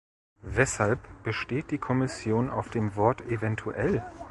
Weshalb besteht die Kommission auf dem Wort "eventuell"?